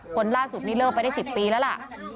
คนล่าสุดนี้เลิกไปได้๑๐ปีแล้วล่ะ